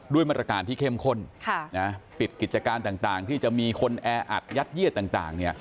มาตรการที่เข้มข้นปิดกิจการต่างที่จะมีคนแออัดยัดเยียดต่าง